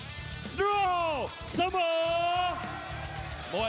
สนุนโดยสุบัติ